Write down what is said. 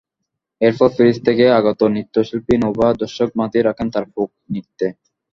এরপর প্যারিস থেকে আগত নৃত্যশিল্পী নোভা দর্শক মাতিয়ে রাখেন তার ফোক নৃত্যে।